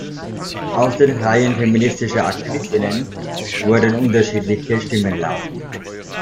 Aus den Reihen feministischer Aktivistinnen wurden unterschiedliche Stimmen laut.